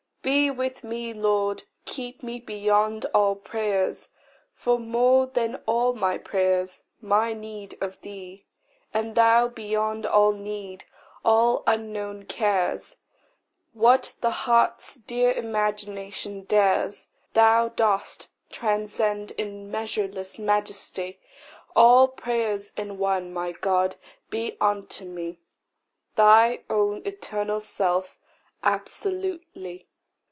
Be with me, Lord. Keep me beyond all prayers: For more than all my prayers my need of thee, And thou beyond all need, all unknown cares; What the heart's dear imagination dares, Thou dost transcend in measureless majesty All prayers in one my God, be unto me Thy own eternal self, absolutely.